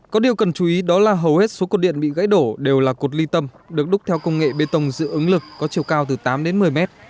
có điều cần chú ý đó là hầu hết số cột điện bị gãy đổ đều là cột ly tâm được đúc theo công nghệ bê tông dự ứng lực có chiều cao từ tám đến một mươi mét